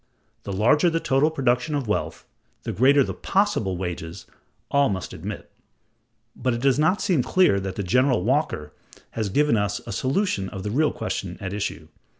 The larger the total production of wealth, the greater the possible wages, all must admit; but it does not seem clear that General Walker has given us a solution of the real question at issue.